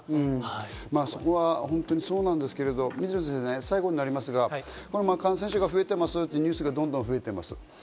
そこは本当にそうなんですけど、水野先生、最後になりますが、感染者が増えてますよというニュースがどんどん増えてます。